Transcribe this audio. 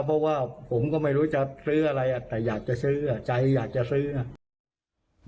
เพราะว่าผมก็ไม่รู้จะซื้ออะไรอ่ะแต่อยากจะซื้ออ่ะใจอยากจะซื้ออ่ะ